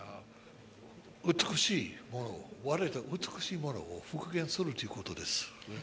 美しい、美しいものを復元するということです。